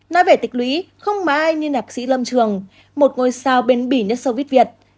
nói về tịch lũy không mà ai như nạp sĩ lâm trường một ngôi sao bền bỉ nhất sâu viết việt